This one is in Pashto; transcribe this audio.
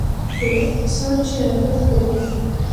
یو اقتصاد چې ارزښت لري.